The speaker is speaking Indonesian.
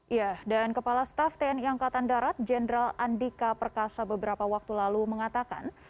ya dan kepala staff tni angkatan darat jenderal andika perkasa beberapa waktu lalu mengatakan